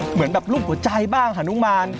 เหมือนลูกหัวใจบ้างฮะนุ้งบาน